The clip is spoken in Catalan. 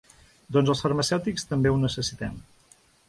Doncs els farmacèutics també ho necessitem.